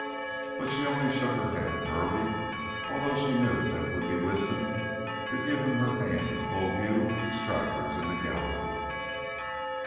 But she only shook her head at Burleigh, although she knew that it would be wisdom to give him her hand in full view of the stragglers in the gallery.